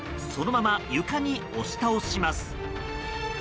そのまま床に押し倒します。